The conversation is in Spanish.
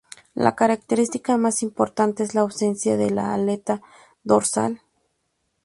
La característica más importante es la ausencia de la aleta dorsal.